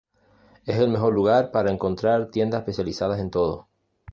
Es el mejor lugar para encontrar tiendas especializadas en todo.